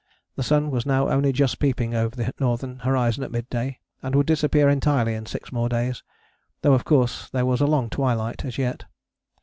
The sun was now only just peeping over the northern horizon at mid day, and would disappear entirely in six more days, though of course there was a long twilight as yet.